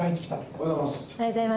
おはようございます。